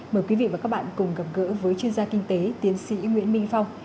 mời quý vị và các bạn cùng gặp gỡ với chuyên gia kinh tế tiến sĩ nguyễn minh phong